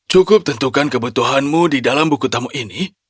cukup tentukan kebutuhanmu di dalam buku tamu ini